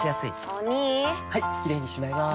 お兄はいキレイにしまいます！